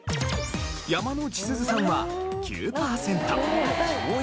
山之内すずさんは９パーセント。